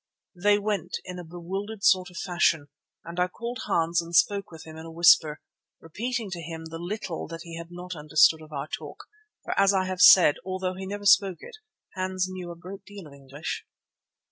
They went, in a bewildered sort of fashion, and I called Hans and spoke with him in a whisper, repeating to him the little that he had not understood of our talk, for as I have said, although he never spoke it, Hans knew a great deal of English.